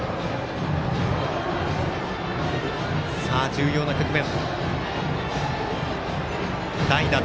重要な局面。